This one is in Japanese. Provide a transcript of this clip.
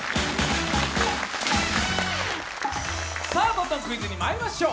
どんどんクイズにまいりましょう。